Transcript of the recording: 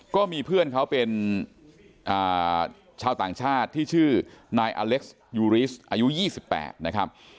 ก็มีเพื่อนเขาเป็นชาวต่างชาติที่ชื่อนายอเล็กซ์ยูริสอายุ๒๘นะครับ